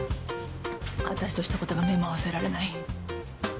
わたしとしたことが目も合わせられない。